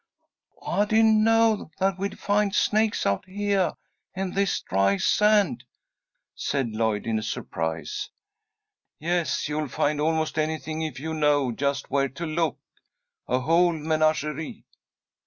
"I didn't know that we'd find snakes out heah in this dry sand," said Lloyd, in surprise. "Yes, you'll find almost anything if you know just where to look, a whole menagerie.